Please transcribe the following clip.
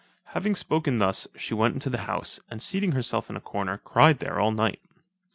Having spoken thus, she went into the house, and seating herself in a corner, cried there all night.